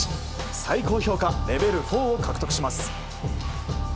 最高評価レベル４を獲得します。